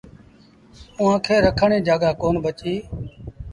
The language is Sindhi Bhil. اُئآݩٚ کي رکڻ ريٚ جآڳآ ڪون بچي